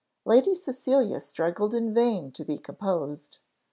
Lady Cecilia struggled in vain to be composed.